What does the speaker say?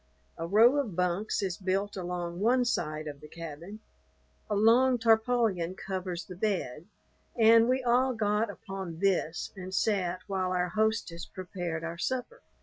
A row of bunks is built along one side of the cabin. A long tarpaulin covers the bed, and we all got upon this and sat while our hostess prepared our supper.